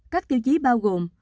các tiêu chí bao gồm